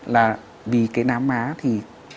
là vì cái nám má thì